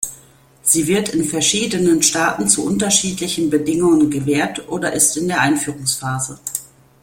Sie wird in verschiedenen Staaten zu unterschiedlichen Bedingungen gewährt oder ist in der Einführungsphase.